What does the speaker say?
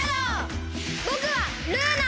ぼくはルーナ！